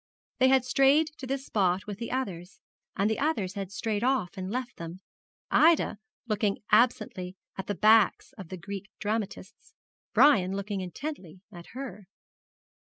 They had strayed to this spot with the others; and the others had strayed off and left them, Ida looking absently at the backs of the Greek dramatists, Brian looking intently at her.